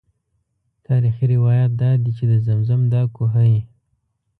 تاریخي روایات دادي چې د زمزم دا کوهی.